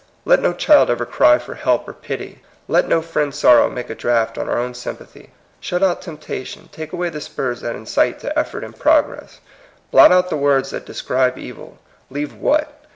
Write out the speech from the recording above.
Let no child ever cry for help or pity. Let no friend^s sorrow make a draught on our sym pathy. Shut out temptation, take away the spurs that incite to effort and progress, blot out the words that describe evil. Leave what?